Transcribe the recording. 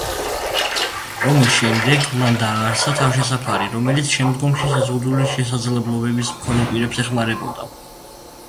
ომის შემდეგ მან დააარსა თავშესაფარი, რომელიც შემდგომში შეზღუდული შესაძლებლობების მქონე პირებს ეხმარებოდა.